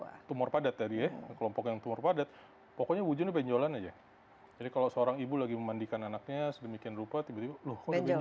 kalau tumor padat tadi ya kelompok yang tumor padat pokoknya wujudnya benjolan saja jadi kalau seorang ibu sedang memandikan anaknya sedemikian rupa tiba tiba loh kok ada benjolan nih